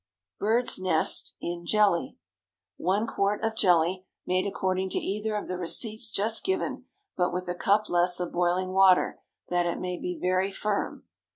BIRD'S NEST IN JELLY. ✠ 1 quart of jelly, made according to either of the receipts just given, but with a cup less of boiling water, that it may be very firm.